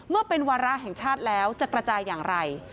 เมื่อเป็นวาระแห่งชาติแล้วจะกระจายอย่างไร